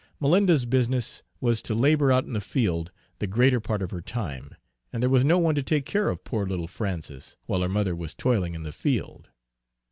Malinda's business was to labor out in the field the greater part of her time, and there was no one to take care of poor little Frances, while her mother was toiling in the field.